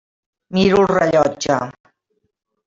Miro el rellotge.